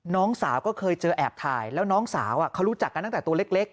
น้องสาวก็เคยเจอแอบถ่ายแล้วน้องสาวเขารู้จักกันตั้งแต่ตัวเล็ก